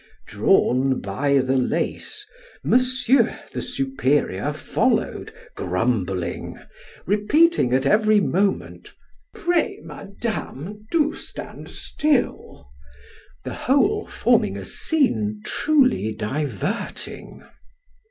Drawn by the lace, Monsieur the Superior followed, grumbling, repeating at every moment, "Pray, madam, do stand still;" the whole forming a scene truly diverting.